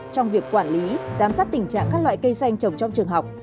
trong việc quản lý giám sát tình trạng các loại cây xanh trồng trong trường học